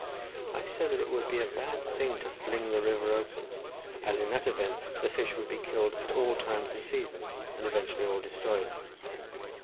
I said that it would be a bad thing to fling the river open, as in that event the fish would be killed at all times and seasons, and eventually all destroyed.